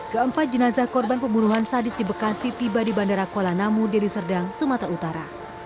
keempat jenazah korban pembunuhan sadis di bekasi tiba di bandara kuala namu deliserdang sumatera utara